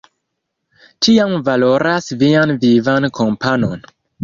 Ĉiam valoras vian vivan kompanon.